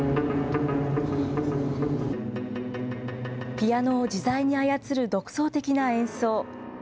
ピアノを自在に操る独創的な演奏。